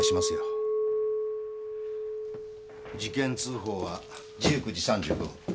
事件通報は１９時３５分。